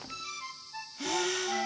はあ。